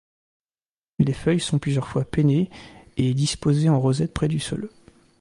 Les feuilles sont plusieurs fois pennées et disposées en rosette près du sol.